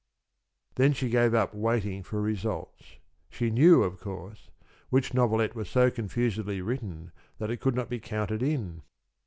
Then she gave up waiting for results. She knew, of course, which novelette was so confusedly written that it could not be counted in.